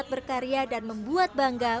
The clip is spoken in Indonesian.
untuk membuat karya dan membuat bangga